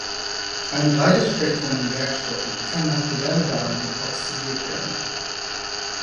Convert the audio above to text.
Ein breites Spektrum an Werkstoffen kann nach der Wärmebehandlung oxidiert werden.